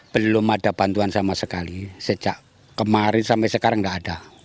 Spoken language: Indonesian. belum ada bantuan sama sekali sejak kemarin sampai sekarang tidak ada